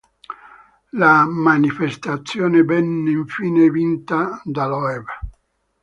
La manifestazione venne infine vinta da Loeb.